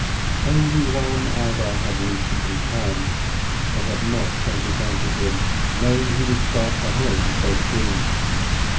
Only one other had recently come. They had not sent it on to him, knowing he would start for home so soon.